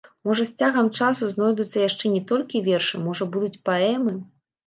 Можа з цягам часу знойдуцца яшчэ не толькі вершы, можа будуць паэмы.